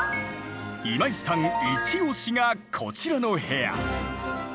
今井さん一押しがこちらの部屋。